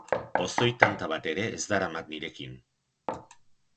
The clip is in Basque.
Pozoi tanta bat ere ez daramat nirekin.